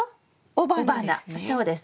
雄花そうです。